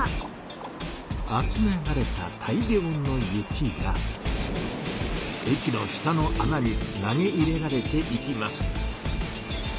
集められた大量の雪が駅の下のあなに投げ入れられていきます。